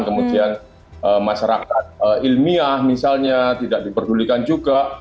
kemudian masyarakat ilmiah misalnya tidak diperdulikan juga